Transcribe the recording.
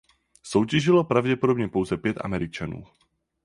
Soutěžilo pravděpodobně pouze pět Američanů.